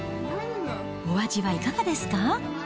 お味はいかがですか？